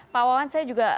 pak wawan saya juga ingin